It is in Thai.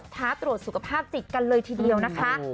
ท้าตรวจสุขภาพจิตกันเลยทีเดียวนะคะ